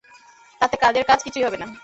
তাতে কাজের কাজ কিছুই হবে না!